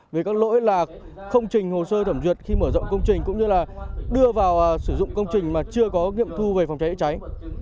về các lỗi là không trình hồ sơ thẩm duyệt khi mở rộng công trình cũng như là đưa vào sử dụng công trình mà chưa có nghiệm thu về phòng cháy cháy